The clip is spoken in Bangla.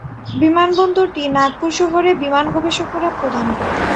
বিমানবন্দরটি নাগপুর শহরে বিমান পরিষেবা প্রদান করে।